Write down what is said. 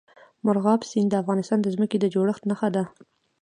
مورغاب سیند د افغانستان د ځمکې د جوړښت نښه ده.